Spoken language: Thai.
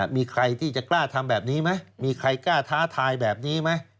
มีใครที่จะกล้าทำแบบนี้ไหมมีใครกล้าท้าทายแบบนี้ไหม